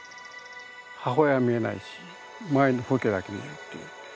母親は見えないし周りの風景だけ見えるっていう。